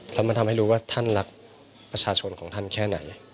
แล้วมันทำให้รู้ว่าท่านรักประชาชนของท่านแค่ไหน